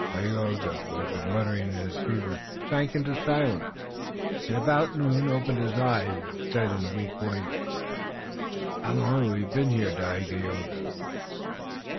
Tayoga, who had been muttering in his fever, sank into silence, and about noon, opening his eyes, he said in a weak voice: "How long have we been here, Dagaeoga?"